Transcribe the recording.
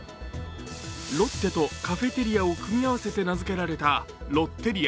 ロッテとカフェテリアを組み合わせて名付けられたロッテリア。